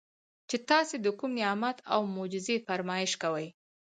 چې تاسي د کوم نعمت او معجزې فرمائش کوئ